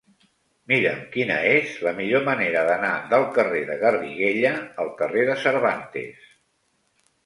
Mira'm quina és la millor manera d'anar del carrer de Garriguella al carrer de Cervantes.